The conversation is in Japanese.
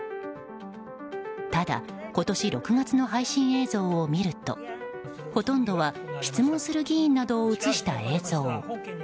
ただ今年６月の配信映像を見るとほとんどは質問する議員などを映した映像。